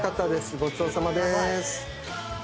ごちそうさまです。